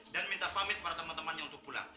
dan minta pamit pada teman temannya untuk pulang